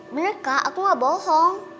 bener kak aku gak bohong